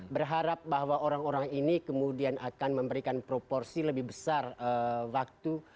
berharap bahwa orang orang ini kemudian akan memberikan proporsi lebih besar waktu